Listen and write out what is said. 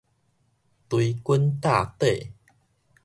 追根貼底